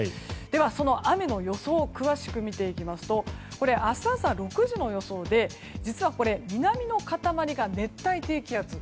その雨の予想を詳しく見ていきますとこれ、明日朝６時の予想で実は南の塊が熱帯低気圧。